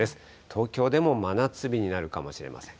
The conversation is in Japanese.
東京でも真夏日になるかもしれません。